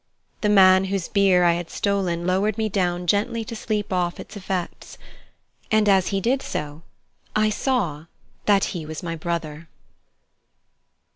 The man whose beer I had stolen lowered me down gently to sleep off its effects, and, as he did so, I saw that he was my brother.